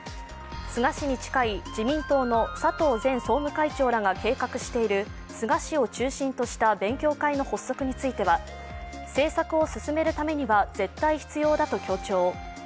菅氏に近い自民党の佐藤前総務会長らが計画している菅氏を中心とした勉強会の発足については政策を進めるためには絶対必要だと強調。